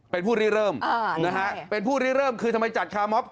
เป็นผู้รีเริ่มนะฮะเป็นผู้รีเริ่มคือทำไมจัดคาร์มอบ